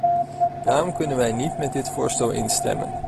Daarom kunnen wij niet met dit voorstel instemmen.